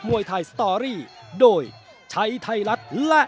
สวัสดีครับ